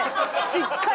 しっかり！